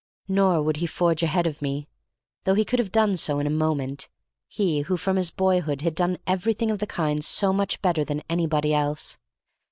Nor would he forge ahead of me, though he could have done so in a moment, he who from his boyhood had done everything of the kind so much better than anybody else.